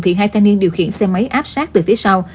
thì hai thanh niên điều khiển xe máy áp sát từ phía sau